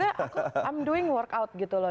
maksudnya i'm doing workout gitu loh